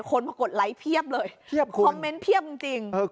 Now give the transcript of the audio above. คนมากดไลค์เพียบเลยคอมเมนต์เพียบจริง